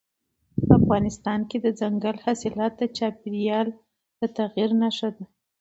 افغانستان کې دځنګل حاصلات د چاپېریال د تغیر نښه ده.